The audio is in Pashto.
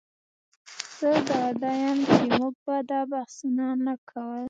زه ډاډه یم چې موږ به دا بحثونه نه کول